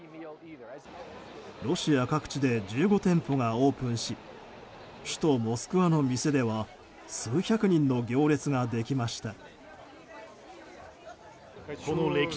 ロシア各地で１５店舗がオープンし首都モスクワの店では数百人の行列ができました。